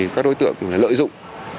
các đối tượng lợi dụng